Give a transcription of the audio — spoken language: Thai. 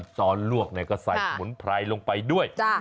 ตอนลวกก็ใส่สมุนไพรลงไปด้วย